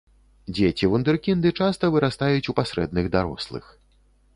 Дзеці-вундэркінды часта вырастаюць у пасрэдных дарослых.